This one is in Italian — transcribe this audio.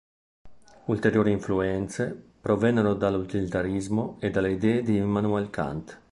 Ulteriori influenze provennero dall'utilitarismo e dalle idee di Immanuel Kant.